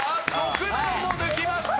６番を抜きました！